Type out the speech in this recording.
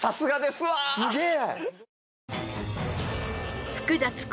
すげえ！